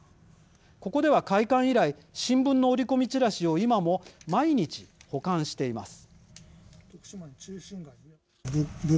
ここでは開館以来新聞の折り込みチラシを今も毎日、保管しています。